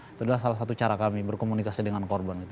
itu adalah salah satu cara kami berkomunikasi